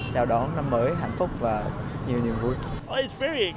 chào đón năm mới hạnh phúc và nhiều nhiều vui